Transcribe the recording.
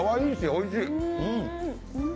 おいしい！